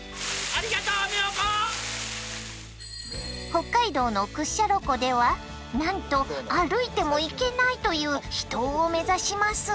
北海道の屈斜路湖ではなんと歩いても行けないという秘湯を目指します。